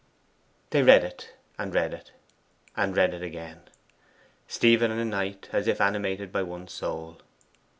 They read it, and read it, and read it again Stephen and Knight as if animated by one soul.